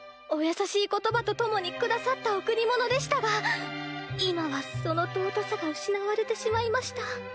お優しい言葉と共に下さった贈り物でしたが今はその尊さが失われてしまいました。